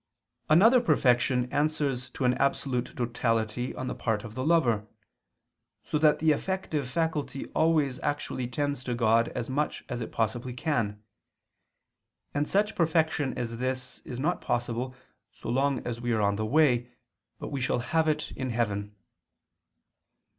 Another perfection answers to an absolute totality on the part of the lover, so that the affective faculty always actually tends to God as much as it possibly can; and such perfection as this is not possible so long as we are on the way, but we shall have it in heaven.